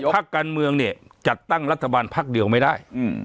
พักการเมืองเนี่ยจัดตั้งรัฐบาลพักเดียวไม่ได้